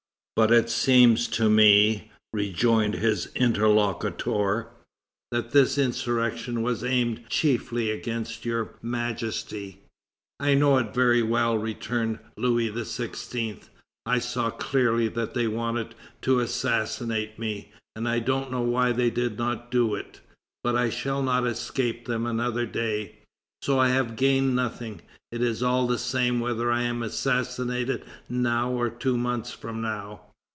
"But it seems to me," rejoined his interlocutor, "that this insurrection was aimed chiefly against Your Majesty." "I know it very well," returned Louis XVI.; "I saw clearly that they wanted to assassinate me, and I don't know why they did not do it; but I shall not escape them another day. So I have gained nothing; it is all the same whether I am assassinated now or two months from now!"